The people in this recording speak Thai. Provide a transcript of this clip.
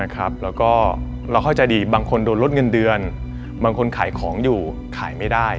แล้วก็เราเข้าใจดีบางคนโดนลดเงินเดือนบางคนขายของอยู่ขายไม่ได้